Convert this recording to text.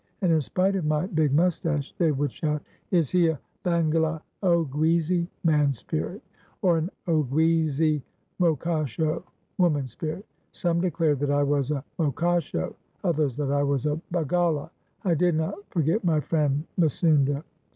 " and, in spite of my big mustache, they would shout, "Is he a hagala oguizi (man spirit), or an oguizi mokasho (woman spirit)?" Some declared that I was a mokasho, others that I was a hagala. I did not forget my friend Misounda.